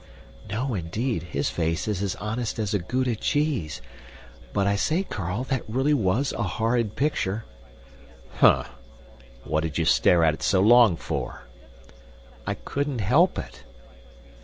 "No, indeed, his face is as honest as a Gouda cheese. But, I say, Carl, that really was a horrid picture." "Humph! What did you stare at it so long for?" "I couldn't help it."